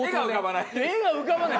画が浮かばない。